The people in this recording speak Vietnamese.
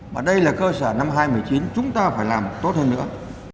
mà đây là cơ sở năm hai nghìn một mươi chín chúng ta phải làm tốt hơn nữa